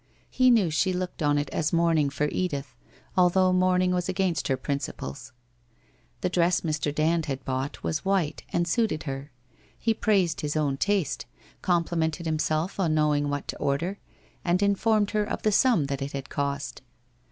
He knew she looked on it as mourning for Edith, although mourning was against her principles. The dress Mr. Dand had bought was white and suited her. He praised his own taste, complimented himself on knowing what to order, and informed her of the sum that it had cost.